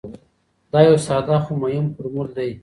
دا یو ساده خو مهم فرمول دی.